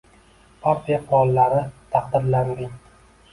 Partiya faollari taqdirlanding